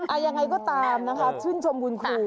อ่ายังไงก็ตามนะครับชื่นชมกุญครู